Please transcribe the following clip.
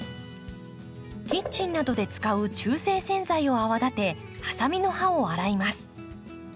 キッチンなどで使う中性洗剤を泡立てハサミの刃を洗います。